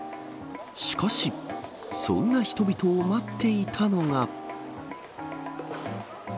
しかしそんな人々を待っていたのが。